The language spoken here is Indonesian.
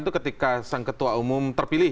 itu ketika sang ketua umum terpilih